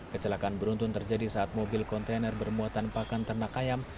kecelakaan beruntun terjadi saat mobil kontainer bermuatan pakan ternak ayam